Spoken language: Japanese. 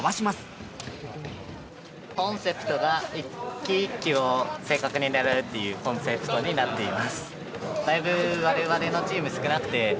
コンセプトが一機一機を正確に狙えるっていうコンセプトになっています。